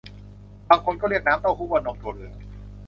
บางคนก็เรียกน้ำเต้าหู้ว่านมถั่วเหลือง